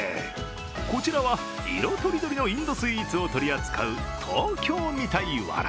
こちらは色とりどりのインドスイーツを取り扱うトウキョウミタイワラ。